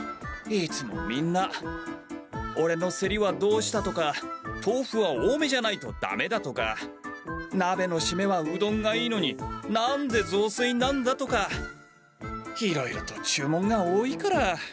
いつもみんなオレのせりはどうしたとかとうふは多めじゃないとダメだとかなべのしめはうどんがいいのに何でぞうすいなんだとかいろいろと注文が多いから。